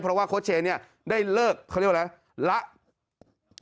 เพราะว่าโค้ชเชย์เนี่ยได้เลิกเขาเรียกว่าอะไรละ